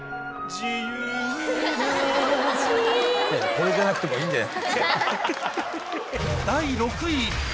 俺じゃなくてもいいんだよ。